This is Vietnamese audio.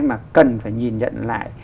mà cần phải nhìn nhận lại